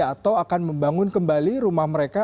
atau akan membangun kembali rumah mereka